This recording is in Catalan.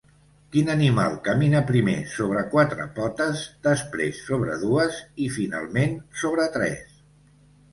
Quin animal camina primer sobre quatre potes, després sobre dues i, finalment, sobre tres?